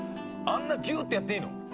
あんなギューッてやっていいの？